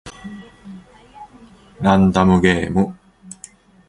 ランダムゲーム